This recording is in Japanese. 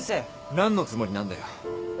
何のつもりなんだよ。